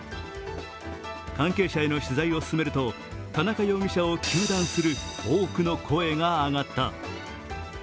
関係者への取材を進めると田中容疑者を糾弾する多くの声が上がった。